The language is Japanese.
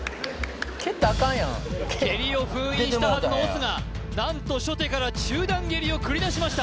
蹴りを封印したはずの押忍が何と初手から中段蹴りを繰り出しました